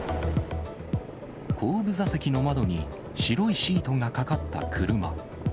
後部座席の窓に白いシートがかかった車。